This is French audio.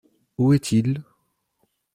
Où est-il ?